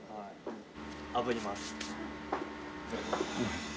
あぶります。